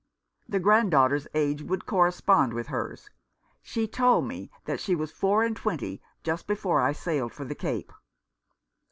The grand daughter's age would correspond with hers. She told me that she was four and twenty just before I sailed for the Cape."